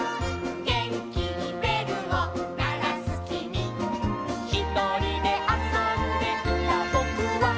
「げんきにべるをならすきみ」「ひとりであそんでいたぼくは」